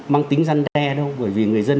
mang tính răn đe đâu bởi vì người dân